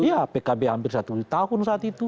iya pkb hampir satu tahun saat itu